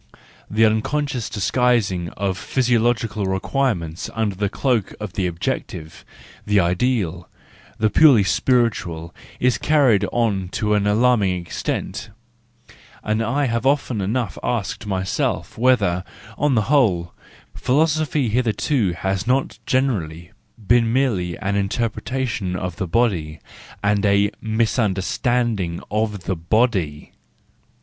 The unconscious disguising of physio¬ logical requirements under the cloak of the objective, the ideal, the purely spiritual, is carried on to an alarming extent,—and I have often enough asked myself, whether, on the whole, philosophy hitherto has not generally been merely an interpreta¬ tion of the body, and a misunderstanding of the body.